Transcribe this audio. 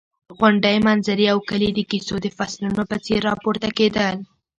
غونډۍ، منظرې او کلي د کیسو د فصلونو په څېر راپورته کېدل.